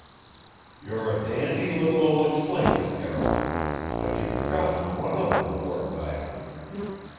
"You're a dandy little ol' explainer, Carroll. But you've forgotten one other important item."